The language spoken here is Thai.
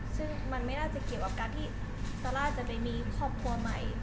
ซึ่งมันไม่น่าจะเกี่ยวกับการที่ซาร่าจะไปมีครอบครัวใหม่